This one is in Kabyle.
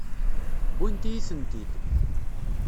Wwint-iyi-tent-id.